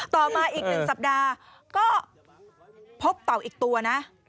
ต่อมาอีก๑สัปดาห์ก็พบเต่าอีกตัวนะ